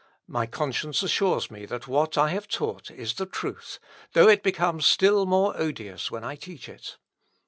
My conscience assures me that what I have taught is the truth, though it becomes still more odious when I teach it.